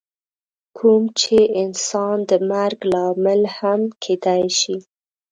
کوم چې انسان د مرګ لامل هم کیدی شي.